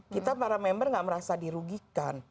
kita para member nggak merasa dirugikan